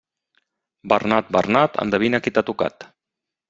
Bernat, Bernat endevina qui t'ha tocat.